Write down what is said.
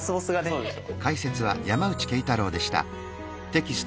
そうでしょ。